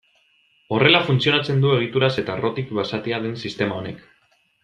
Horrela funtzionatzen du egituraz eta errotik basatia den sistema honek.